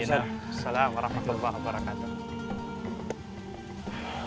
assalamualaikum warahmatullahi wabarakatuh